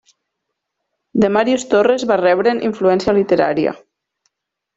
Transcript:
De Màrius Torres va rebre influència literària.